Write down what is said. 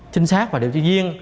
chính xác và điều tra viên